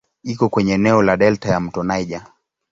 Iko kwenye eneo la delta ya "mto Niger".